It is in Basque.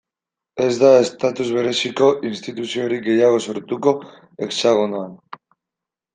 Ez da estatus bereziko instituziorik gehiago sortuko Hexagonoan.